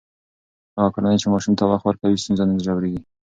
هغه کورنۍ چې ماشوم ته وخت ورکوي، ستونزې نه ژورېږي.